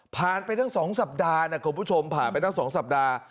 ไปตั้ง๒สัปดาห์นะคุณผู้ชมผ่านไปตั้ง๒สัปดาห์